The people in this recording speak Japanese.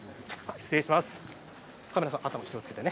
失礼します。